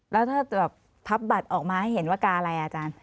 แล้วถ้าพับบัตรออกมาให้เห็นว่ากาอะไรอาจารย์